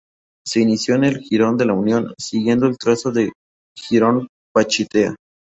Se inicia en el jirón de la Unión, siguiendo el trazo del jirón Pachitea.